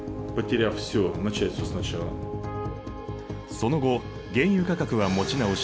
その後原油価格は持ち直し